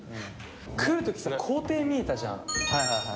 来る時校庭見えたじゃん。